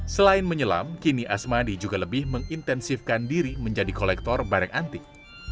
selain menyelam kini asmadi juga lebih mengintensifkan diri menjadi kolektor barang antik